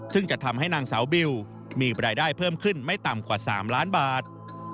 ซึ่งจะทำให้นางสาวบิวมีรายได้เพิ่มขึ้นไม่ต่ำกว่า๓ล้านบาท